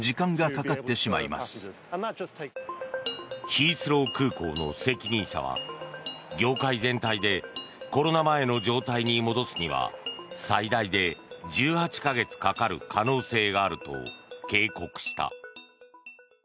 ヒースロー空港の責任者は業界全体でコロナ前の状態に戻すには最大で１８か月かかる可能性があると警告した。